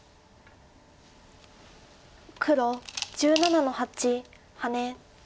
黒１７の八ハネ。